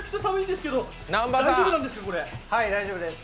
はい、大丈夫です。